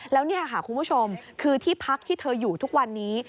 แล้วนี่ค่ะคุณผู้ชมคือที่พักที่เธออยู่ทุกวันนี้